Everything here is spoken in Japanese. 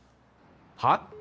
はっ？